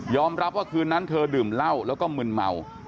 รับว่าคืนนั้นเธอดื่มเหล้าแล้วก็มึนเมา